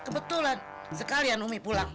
nah kebetulan sekalian ummi pulang